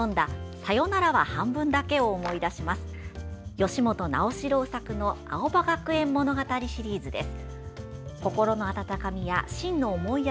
吉本直志郎作の「青葉学園物語」シリーズです。